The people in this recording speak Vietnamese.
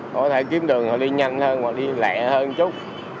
có thể kiếm đường họ đi nhanh hơn mà đi lệ hơn chút